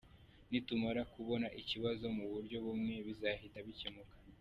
Nitumara kubona ikibazo mu buryo bumwe bizahita bikemuka.